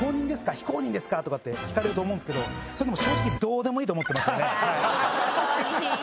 非公認ですか？って聞かれると思うんすけど正直どうでもいいと思ってますよね。